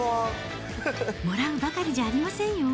もらうばかりじゃありませんよ。